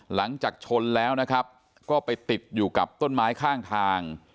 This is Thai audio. หลังจากชนแล้วนะครับก็ไปติดอยู่กับต้นไม้ข้างทาง